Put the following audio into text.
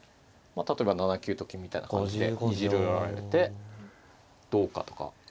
例えば７九と金みたいな感じでにじり寄られてどうかとか。